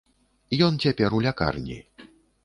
Ён цяпер у лякарні.